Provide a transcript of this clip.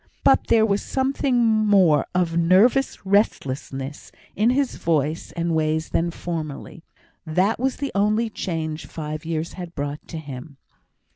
But there was something more of nervous restlessness in his voice and ways than formerly; that was the only change six years had brought to him.